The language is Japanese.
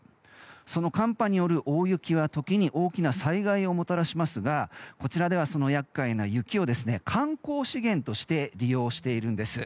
その寒波による大雪は時に大きな災害をもたらしますがこちらではその厄介な雪を観光資源として利用しているんです。